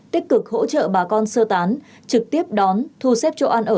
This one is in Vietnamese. tích cực hỗ trợ bà con sơ tán trực tiếp đón thu xếp chỗ ăn ở tạm thời